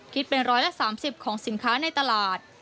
คิดเป็น๑๓๐ของสินค้าในตลาด